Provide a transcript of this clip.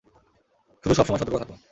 শুধু, সবসময় সতর্ক থাকো।